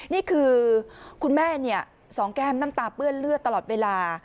นี่คือคุณแม่สองแก้มน้ำตาเปื้อนเลือดตลอดเวลา